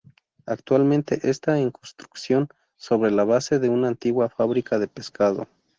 Actualmente está en construcción sobre la base de una antigua fábrica de pescado.